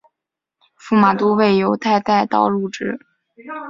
驸马都尉游泰带刀入直。